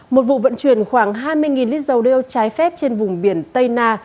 một vụ vận chuyển khoảng hai mươi lít dầu đeo trái phép trên vùng biển tây na